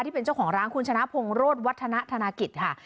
ที่เป็นเจ้าของร้านคุณชนะพงศ์โรธวัฒนาธนกิจค่ะ